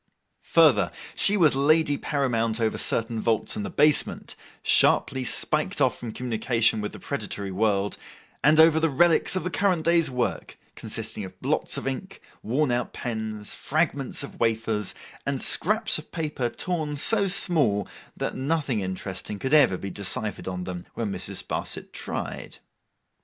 Further, she was lady paramount over certain vaults in the basement, sharply spiked off from communication with the predatory world; and over the relics of the current day's work, consisting of blots of ink, worn out pens, fragments of wafers, and scraps of paper torn so small, that nothing interesting could ever be deciphered on them when Mrs. Sparsit tried.